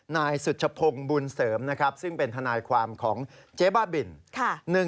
นายสุชพงศ์บุญเสริมนะครับซึ่งเป็นทนายความของเจ๊บ้าบิน